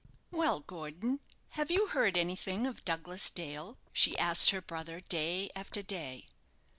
"Well, Gordon, have you heard anything of Douglas Dale?" she asked her brother, day after day.